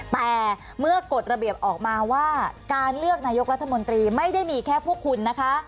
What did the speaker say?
แต่เมื่อกฎระเบียบออกมาว่าการเลือกนายกรัฐมนตรีไม่ได้มีแค่พวกคุณนะคะ